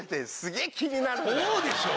そうでしょ。